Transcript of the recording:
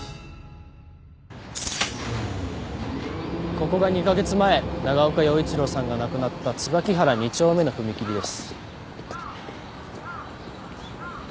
ここが２カ月前長岡洋一郎さんが亡くなった椿原２丁目の踏切です。